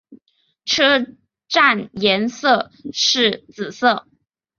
车站颜色是紫色。